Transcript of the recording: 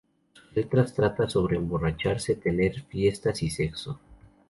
Sus letras tratan sobre emborracharse, tener fiestas y sexo.